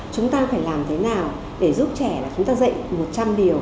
chúng ta phải làm thế nào để giúp trẻ là chúng ta dạy một trăm linh điều